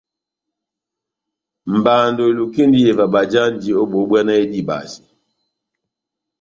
Mbando elukindi iyeva bajanji ó bohó bbwá náh edibase.